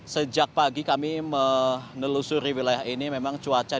sejak pagi kami menelusuri wilayah ini memang cuaca